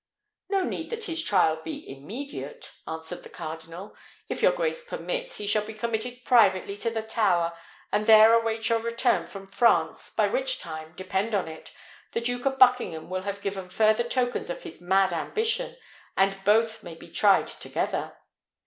"No need that his trial be immediate," answered the cardinal; "if your grace permits, he shall be committed privately to the Tower, and there await your return from France; by which time, depend on it, the Duke of Buckingham will have given further tokens of his mad ambition, and both may be tried together.